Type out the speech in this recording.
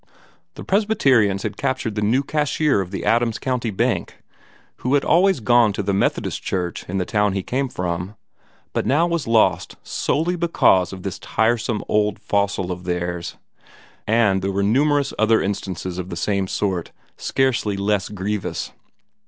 The Presbyterians had captured the new cashier of the Adams County Bank, who had always gone to the Methodist Church in the town he came from, but now was lost solely because of this tiresome old fossil of theirs; and there were numerous other instances of the same sort, scarcely less grievous.